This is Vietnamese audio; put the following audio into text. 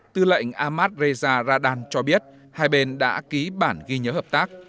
tư lệnh ahmad reza radan cho biết hai bên đã ký bản ghi nhớ hợp tác